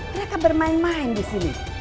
mereka bermain main di sini